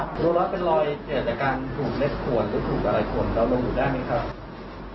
รู้หรอว่าเป็นรอยเกิดจากการถูกเล็บขวนหรือถูกอะไรขวน